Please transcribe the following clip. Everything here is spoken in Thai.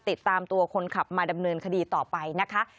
ติดตามตัวคนขับมาดำเนินคดีต่อไปนะคะ